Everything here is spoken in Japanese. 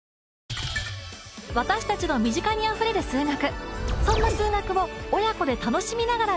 私達の身近にあふれる数学